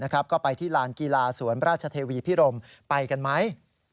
ก็ไปที่ลานกีฬาสวนราชเทวีพิรมไปกันไหม